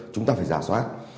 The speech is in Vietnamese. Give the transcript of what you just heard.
chúng ta phải giả soát